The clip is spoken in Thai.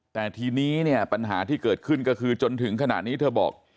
แต่ทีนี้เนี่ยปัญหาที่เกิดขึ้นก็คือจนถึงขณะนี้เธอบอก